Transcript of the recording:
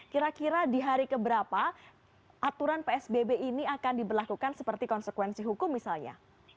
kira kira di hari keberapa aturan psbb ini akan diberlakukan seperti konsekuensi hukum misalnya